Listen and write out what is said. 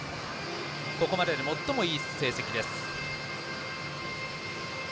ここまでで最もいい成績です。